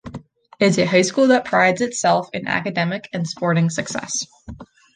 It is a high school that prides itself in Academic and Sporting success.